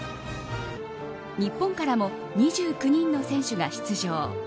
日本からも２９人の選手が出場。